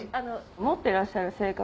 持ってらっしゃる性格